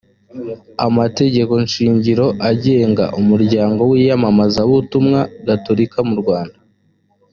amategeko shingiro agenga umuryango w iyamamazabutumwa gatolika mu rwanda